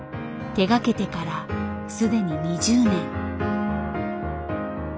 手がけてから既に２０年。